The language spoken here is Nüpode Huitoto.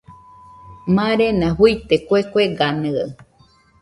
Marena fuite kue kueganɨaɨ